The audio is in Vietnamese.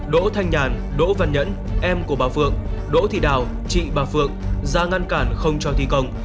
đỗ thanh nhàn đỗ văn nhẫn em của bà phượng đỗ thị đào chị bà phượng ra ngăn cản không cho thi công